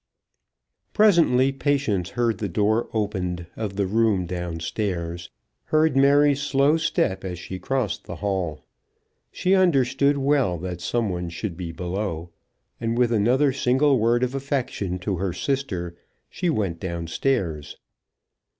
Presently Patience heard the door opened of the room down stairs and heard Mary's slow step as she crossed the hall. She understood well that some one should be below, and with another single word of affection to her sister, she went down stairs.